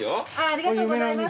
ありがとうございます。